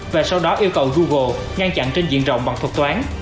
và sau đó yêu cầu google ngăn chặn trên diện rộng bằng thuật toán